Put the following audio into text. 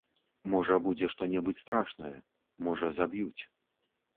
Можа, будзе што-небудзь страшнае, можа, заб'юць.